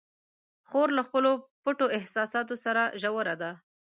خور له خپلو پټو احساساتو سره ژوره ده.